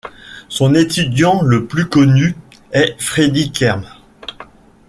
Son étudiant le plus connu est Freddy Kempf.